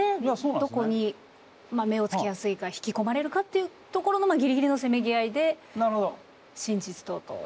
どこに目をつけやすいか引き込まれるかっていうところのギリギリのせめぎ合いで真実とというところなんでしょうか。